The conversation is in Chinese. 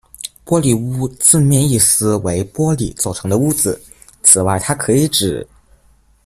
玻璃屋字面意思为玻璃做成的屋子，此外它可以指：